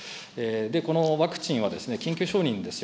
このワクチンはですね、緊急承認ですよ。